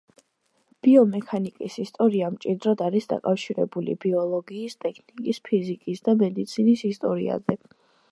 ბიომექანიკის ისტორია მჭიდროდ არის დაკავშირებული ბიოლოგიის, ტექნიკის, ფიზიკის და მედიცინის ისტორიაზე.